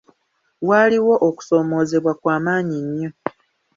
Waaliwo okusoomoozebwa kwa maanyi nnyo.